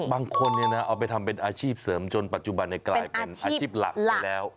บางคนเอาไปทำเป็นอาชีพเสริมจนปัจจุบันกลายเป็นอาชีพหลักไปแล้ว